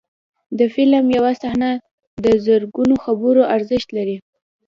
د فلم یو صحنه د زرګونو خبرو ارزښت لري.